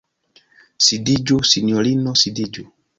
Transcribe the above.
Sidiĝu, sinjorino, sidiĝu!